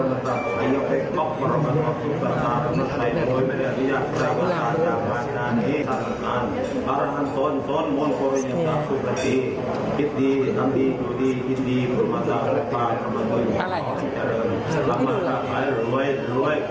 อันนี้คือคาถาสำหรับฮวยฮวย